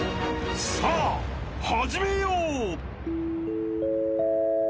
［さあ始めよう］